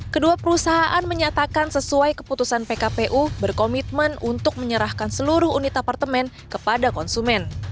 kedua perusahaan menyatakan sesuai keputusan pkpu berkomitmen untuk menyerahkan seluruh unit apartemen kepada konsumen